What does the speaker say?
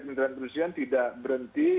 ketentusian tidak berhenti